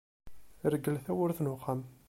Rgel tawwurt n uxxam.